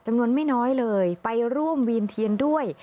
จำนวนไม่น้อยเลยไปร่วมวีนเทียนด้วย